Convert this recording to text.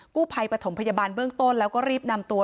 กู้ภัยปฐมพยาบาลเบื้องต้นแล้วก็รีบนำตัว